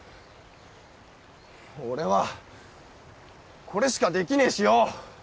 俺はこれしかできねえしよう！